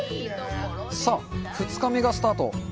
さあ、２日目がスタート。